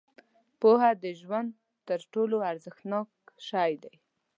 • پوهه د ژوند تر ټولو ارزښتناک شی دی.